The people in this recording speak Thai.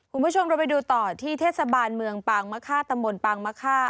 คุณผู้ชมเราไปดูต่อที่เทศบาลเมืองปางมะค่าตำบลปางมะค่า